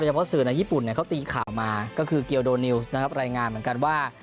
เพราะสื่อในญี่ปุ่นเขาตีข่าวมาก็คือเกียวโดนิวส์นะครับรายงานเหมือนกันว่า